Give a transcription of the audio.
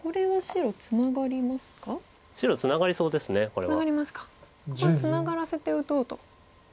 ここはツナがらせて打とうと。